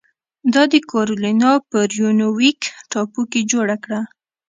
دا د کارولینا په ریونویک ټاپو کې جوړه کړه.